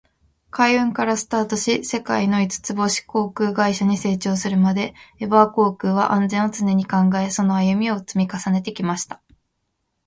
海運からスタートし、世界の五つ星航空会社に成長するまで、エバー航空は「安全」を常に考え、その歩みを積み重ねてきました。